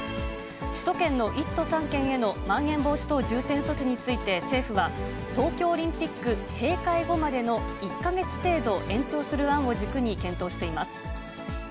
首都圏の１都３県へのまん延防止等重点措置について、政府は、東京オリンピック閉会後までの１か月程度延長する案を軸に検討しています。